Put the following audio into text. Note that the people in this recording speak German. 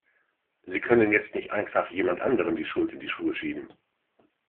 Sie können jetzt nicht einfach jemand anderem die Schuld in die Schuhe schieben!